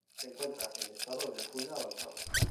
Se encuentra en estado de ruina avanzada.